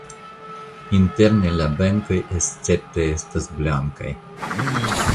Interne la benkoj escepte estas blankaj.